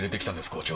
校長。